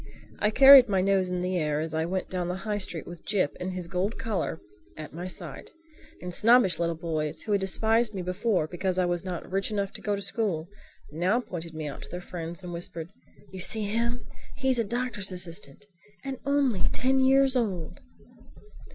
I carried my nose in the air as I went down the High Street with Jip in his gold collar at my side; and snobbish little boys who had despised me before because I was not rich enough to go to school now pointed me out to their friends and whispered, "You see him? He's a doctor's assistant—and only ten years old!"